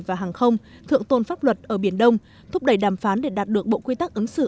và hàng không thượng tôn pháp luật ở biển đông thúc đẩy đàm phán để đạt được bộ quy tắc ứng xử